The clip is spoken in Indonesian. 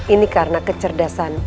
ini karena kecerdasan